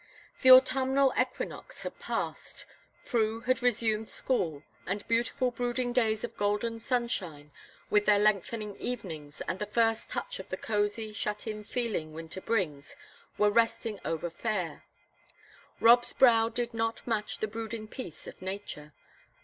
The autumnal equinox had passed, Prue had resumed school, and beautiful brooding days of golden sunshine, with their lengthening evenings, and the first touch of the cosey, shut in feeling winter brings were resting over Fayre. Rob's brow did not match the brooding peace of nature.